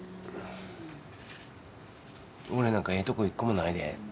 俺なんかええとこ一個もないで。